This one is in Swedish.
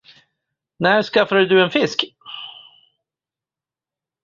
När skaffade du en fisk?